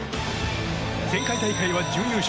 前回大会は準優勝。